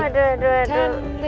aduh aduh aduh aduh